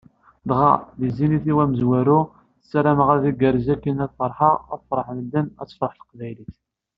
Dɣa, i Zénith-iw amezwaru, ssarameɣ ad igerrez akken ad ferḥeɣ, ad ferḥen medden, ad tefreḥ teqbaylit.